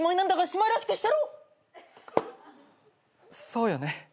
そうよね。